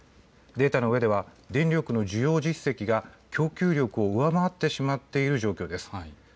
データの上では電力の需要実績が供給力を上回ってしまっている状況です。